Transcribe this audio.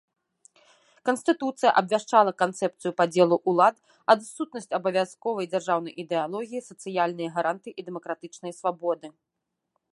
Канстытуцыя абвяшчала канцэпцыю падзелу ўлад, адсутнасць абавязковай дзяржаўнай ідэалогіі, сацыяльныя гарантыі і дэмакратычныя свабоды.